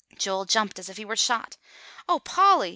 Joel jumped as if he were shot. "O Polly!"